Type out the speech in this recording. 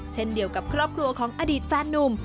เช่นเดียวกับครอบครัวของอดีตแฟนนุ่ม